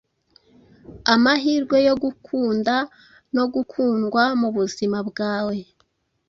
amahirwe yo gukunda no gukundwa mu buzima bwawe